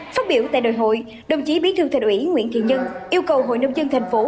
phát biểu tại đại hội đồng chí bí thư thành ủy nguyễn thiện nhân yêu cầu hội nông dân thành phố